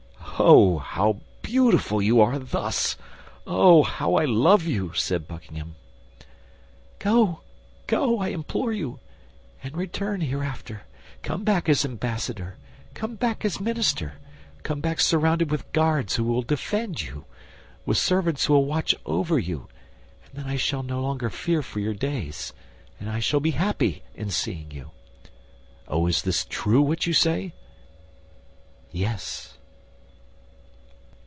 "Oh, how beautiful you are thus! Oh, how I love you!" said Buckingham. "Go, go, I implore you, and return hereafter! Come back as ambassador, come back as minister, come back surrounded with guards who will defend you, with servants who will watch over you, and then I shall no longer fear for your days, and I shall be happy in seeing you." "Oh, is this true what you say?" "Yes."